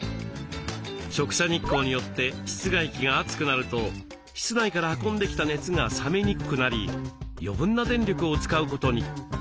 直射日光によって室外機が熱くなると室内から運んできた熱が冷めにくくなり余分な電力を使うことに。